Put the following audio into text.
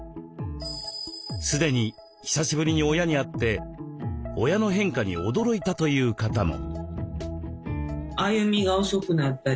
すでに久しぶりに親に会って親の変化に驚いたという方も。